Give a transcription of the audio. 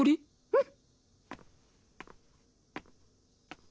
うん。